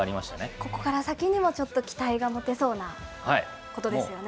ここから先にもちょっと期待が持てそうなことですよね。